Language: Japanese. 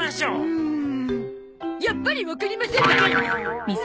うんやっぱりわかりません！